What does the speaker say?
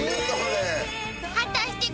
［果たして］